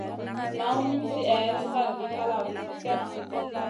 Lawn min slihè kalgi kalavi zi slena.